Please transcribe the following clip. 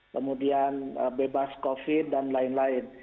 kemudian bebas covid dan lain lain